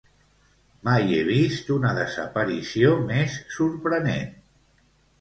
Mai he vist una desaparició més sorprenent.